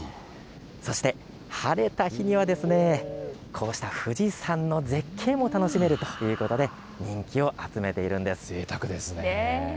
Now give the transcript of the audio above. そして晴れた日にはこうした富士山の絶景も楽しめるということで人気を集めているんです。